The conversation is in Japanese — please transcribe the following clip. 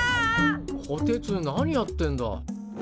こてつ何やってんだ。